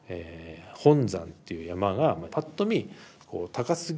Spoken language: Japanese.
本山っていう山がぱっと見高すぎる。